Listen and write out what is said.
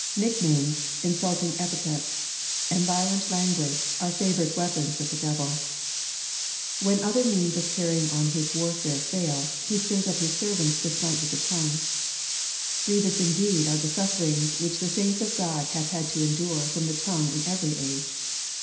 Nicknames, insulting epithets, and violent language, are favourite weapons with the devil. When other means of carrying on his warfare fail, he stirs up his servants to smite with the tongue. Grievous indeed are the sufferings which the saints of God have had to endure from the tongue in every age.